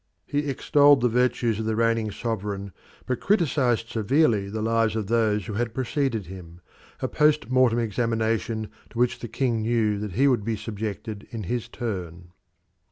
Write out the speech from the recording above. He extolled the virtues of the reigning sovereign, but criticised severely the lives of those who had preceded him a post mortem examination to which the king knew that he would be subjected in his turn.